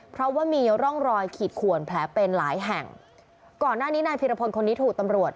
เพราะว่ามีร่องรอยขีดขวนแผลเป็นหลายแห่งก่อนหน้านี้นายพีรพลคนนี้ถูกตำรวจ